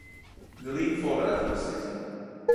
The league folded after the season.